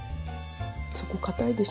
そこ硬いでしょ？